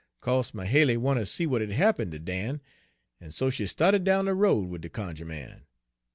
"Co'se Mahaly wanter see w'at had happen' ter Dan, en so she sta'ted down de road wid de cunjuh man.